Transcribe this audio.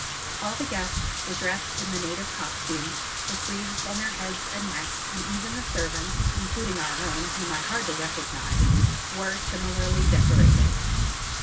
All the guests were dressed in the native costume, with wreaths on their heads and necks, and even the servants including our own, whom I hardly recognised were similarly decorated.